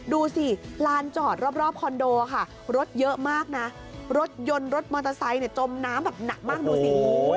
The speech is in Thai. ดูสิลานจอดรอบคอนโดค่ะรถเยอะมากนะรถยนต์รถมอเตอร์ไซค์จมน้ำแบบหนักมากดูสิ